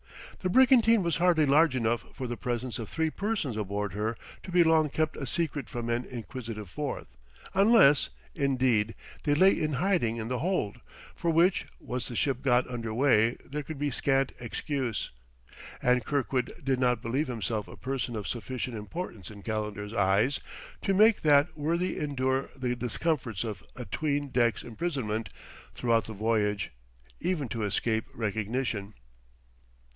The brigantine was hardly large enough for the presence of three persons aboard her to be long kept a secret from an inquisitive fourth, unless, indeed, they lay in hiding in the hold; for which, once the ship got under way, there could be scant excuse. And Kirkwood did not believe himself a person of sufficient importance in Calendar's eyes, to make that worthy endure the discomforts of a'tween decks imprisonment throughout the voyage, even to escape recognition.